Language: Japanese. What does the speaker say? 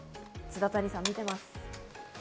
津田谷さん、見ています。